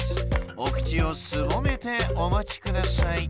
おくちをすぼめておまちください。